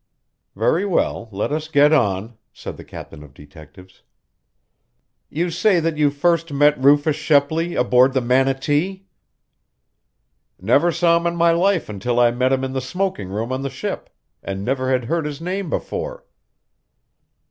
"Very well; let us get on," said the captain of detectives. "You say that you first met Rufus Shepley aboard the Manatee?" "Never saw him in my life until I met him in the smoking room on the ship, and never had heard his name before."